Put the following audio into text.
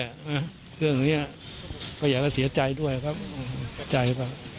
นะเครื่องนี้ก็อยากเชื่อด้วยครับใจเวลา